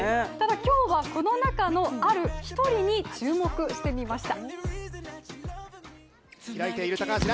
今日はこの中のある一人に注目してみました。